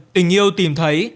tình yêu tìm thấy